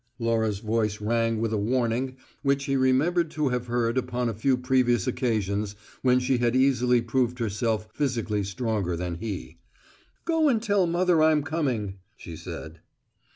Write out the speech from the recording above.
Laura's voice rang with a warning which he remembered to have heard upon a few previous occasions when she had easily proved herself physically stronger than he. "Go and tell mother I'm coming," she said.